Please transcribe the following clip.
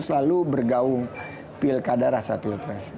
selalu bergaung pilkada rasa pilpres